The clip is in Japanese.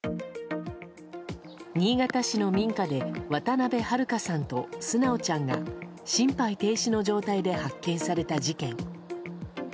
新潟市の民家で渡辺春香さんと純ちゃんが心肺停止の状態で発見された事件。